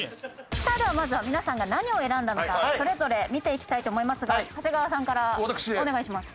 さあではまずは皆さんが何を選んだのかそれぞれ見ていきたいと思いますが長谷川さんからお願いします。